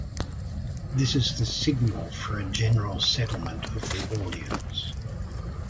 This is the signal for a general settlement of the audience.